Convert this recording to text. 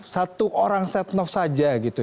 satu orang setnov saja gitu